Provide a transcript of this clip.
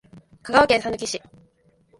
香川県さぬき市